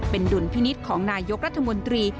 เป็นดุลพินิษฐ์ของนายกรัฐมนตรี